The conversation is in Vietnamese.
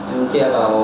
em chia vào